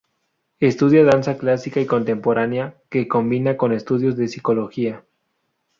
Estudia danza clásica y contemporánea, que combina con estudios de Psicología.